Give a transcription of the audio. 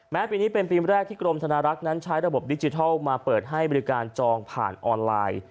ปีนี้เป็นปีแรกที่กรมธนารักษ์นั้นใช้ระบบดิจิทัลมาเปิดให้บริการจองผ่านออนไลน์